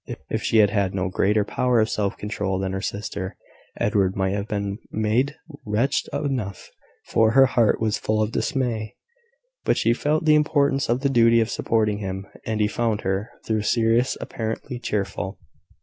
If she had had no greater power of self control than her sister, Edward might have been made wretched enough, for her heart was full of dismay: but she felt the importance of the duty of supporting him, and he found her, though serious, apparently cheerful.